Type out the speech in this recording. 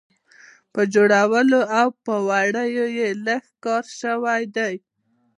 په جوړولو او په وړیو یې لږ کار شوی دی.